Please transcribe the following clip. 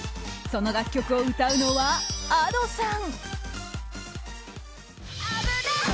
その楽曲を歌うのはＡｄｏさん。